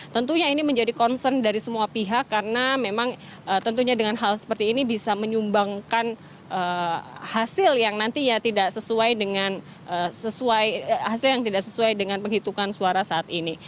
tentunya ini menjadi concern dari semua pihak karena memang tentunya dengan hal seperti ini bisa menyumbangkan hasil yang nantinya tidak sesuai dengan hasil yang tidak sesuai dengan penghitungan suara saat ini